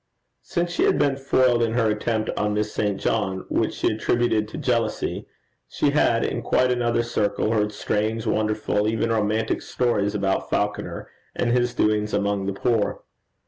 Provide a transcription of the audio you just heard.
Since she had been foiled in her attempt on Miss St. John, which she attributed to jealousy, she had, in quite another circle, heard strange, wonderful, even romantic stories about Falconer and his doings among the poor.